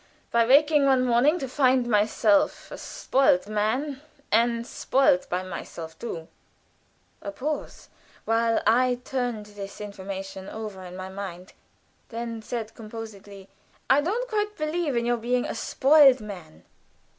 By waking one morning to find myself a spoiled man, and spoiled by myself, too." A pause, while I turned this information over in my mind, and then said, composedly: "I don't quite believe in your being a spoiled man.